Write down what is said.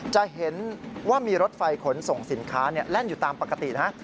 จะเห็นว่ามีรถไฟขนส่งสินค้าแล่นอยู่ตามปกตินะ